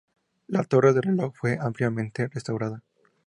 La torre del reloj fue ampliamente restaurada.